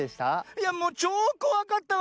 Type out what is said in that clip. いやもうちょうこわかったわ！